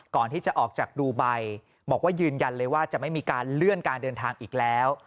ก่อนที่จะออกจากดูไบบอกว่ายืนยันเลยว่าจะไม่มีการเลื่อนการเดินทางอีกแล้ว